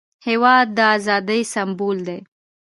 هېواد د ازادۍ سمبول دی.